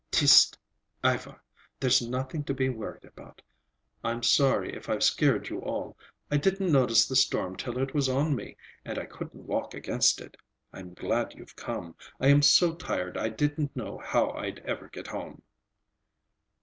"Tyst! Ivar. There's nothing to be worried about. I'm sorry if I've scared you all. I didn't notice the storm till it was on me, and I couldn't walk against it. I'm glad you've come. I am so tired I didn't know how I'd ever get home."